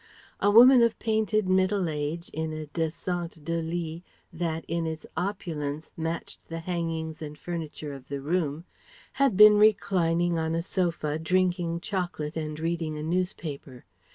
A woman of painted middle age in a descente de lit that in its opulence matched the hangings and furniture of the room, had been reclining on a sofa, drinking chocolate and reading a newspaper.